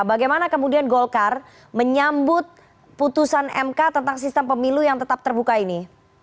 bagaimana kemudian golkar menyambut putusan mk tentang sistem pemilu yang tetap terbuka ini